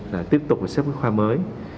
là tiếp tục xếp cái khoa mới